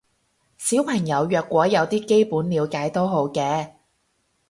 小朋友若果有啲基本了解都好嘅